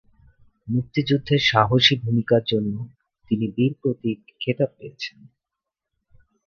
মুক্তিযুদ্ধে সাহসী ভূমিকার জন্য তিনি বীর প্রতীক খেতাব পেয়েছেন।